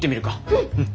うん！